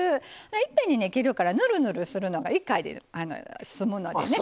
いっぺんに切るからぬるぬるするのが一回で済むのでね